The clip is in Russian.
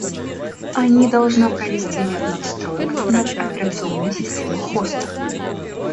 Они должна провести ряд надстроек на операционной системой хоста